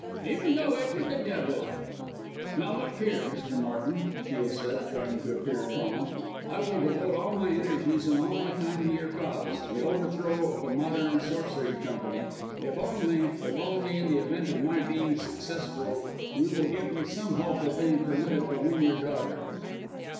"Even though it were the devil." "Now, look here, Mr. Martin," Shiel said, trying to appear calm. "I will devote all my energies and all my time to your cause the overthrow of the Modern Sorcery Company, if only if only, in the event of my being successful, you will give me some hope of being permitted to win your daughter."